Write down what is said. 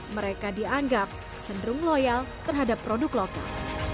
mereka dianggap cenderung loyal terhadap produk lokal